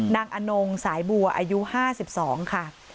อนงสายบัวอายุ๕๒ค่ะ